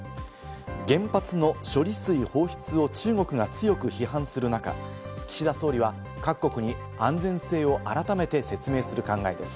原発の処理水放出を中国が強く批判する中、岸田総理は各国に安全性を改めて説明する考えです。